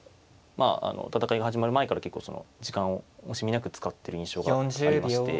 あの戦いが始まる前から結構時間を惜しみなく使ってる印象がありまして。